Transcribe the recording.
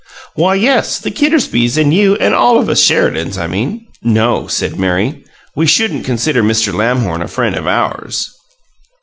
"Why, yes; the Kittersbys and you and all of us Sheridans, I mean." "No," said Mary. "We shouldn't consider Mr. Robert Lamhorn a friend of ours."